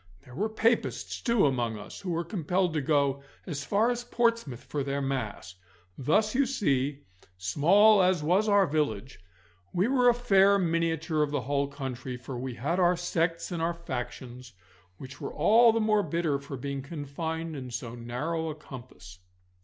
There were Papists, too, amongst us, who were compelled to go as far as Portsmouth for their Mass. Thus, you see, small as was our village, we were a fair miniature of the whole country, for we had our sects and our factions, which were all the more bitter for being confined in so narrow a compass.